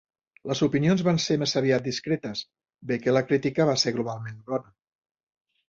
Les opinions van ser més aviat discretes, bé que la crítica va ser globalment bona.